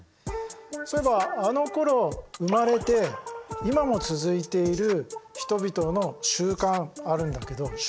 そういえばあのころ生まれて今も続いている人々の習慣あるんだけど習君何だか分かるかな？